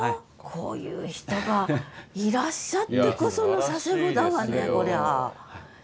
こういう人がいらっしゃってこその佐世保だわねこりゃ。